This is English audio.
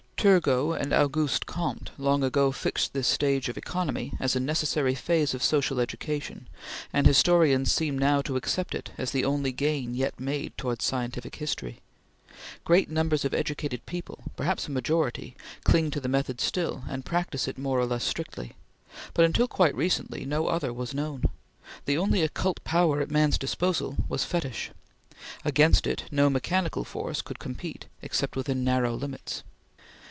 Turgot and Auguste Comte long ago fixed this stage of economy as a necessary phase of social education, and historians seem now to accept it as the only gain yet made towards scientific history. Great numbers of educated people perhaps a majority cling to the method still, and practice it more or less strictly; but, until quite recently, no other was known. The only occult power at man's disposal was fetish. Against it, no mechanical force could compete except within narrow limits.